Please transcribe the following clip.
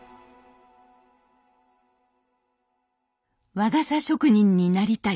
「和傘職人になりたい」。